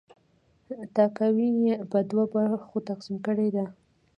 تاکاوی یې په دوه برخو تقسیم کړې ده.